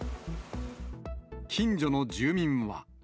近所の住民は。